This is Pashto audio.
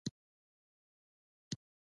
زه د سندرو د هنرمندانو نومونه پیژنم.